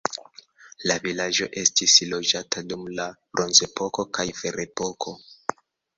La vilaĝo estis loĝata dum la bronzepoko kaj ferepoko.